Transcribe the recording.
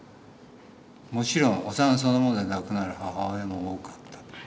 「もちろんお産そのもので亡くなる母親も多かった。